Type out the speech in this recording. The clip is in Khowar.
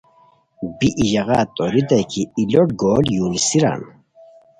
بی ای ژاغا توریتائی کی ای لوٹ گول یو نیسیران